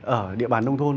ở địa bàn nông thôn